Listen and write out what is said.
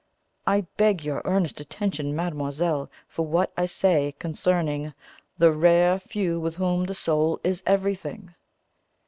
I beg your earnest attention, mademoiselle, for what I say concerning THE RARE FEW WITH WHOM THE SOUL IS EVERYTHING.